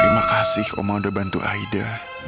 terima kasih oma udah bantu aida